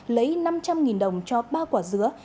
lấy năm trăm linh đồng cho ba quả dứa